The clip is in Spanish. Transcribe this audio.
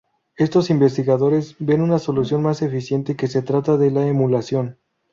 Estos investigadores ven una solución más eficiente que se trata de la emulación.